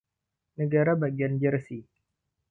Negara Bagian Jersey.